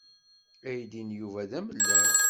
Aydi n Yuba d amellal.